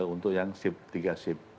untuk yang shift tiga shift